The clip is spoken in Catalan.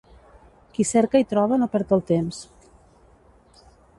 Qui cerca i troba no perd el temps.